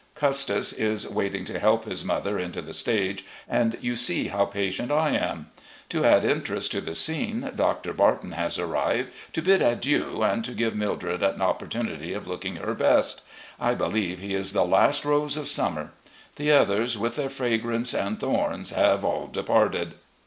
Custis is waiting to help his mother into the stage, and you see how patient I am. To add interest to the scene. Dr. Barton has arrived to bid adieu and to give Mildred an opportunity of looking her best. I believe he is the last rose of stunmer. The others, with their fragrance and thorns, have all departed.